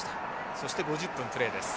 そして５０分プレーです。